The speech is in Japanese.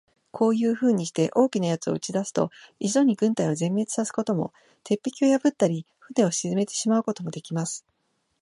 こういうふうにして、大きな奴を打ち出すと、一度に軍隊を全滅さすことも、鉄壁を破ったり、船を沈めてしまうこともできます。